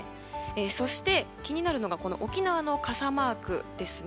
そして気になるのが沖縄の傘マークですね。